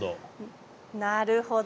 なるほど。